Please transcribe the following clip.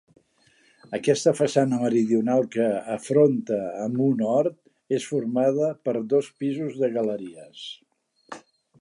Aquesta façana meridional, que afronta amb un hort, és formada per dos pisos de galeries.